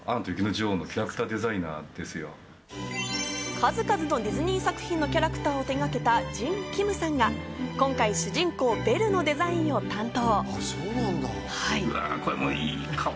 数々のディズニー作品のキャラクターを手がけたジン・キムさんが今回、主人公・ベルのデザインを担当。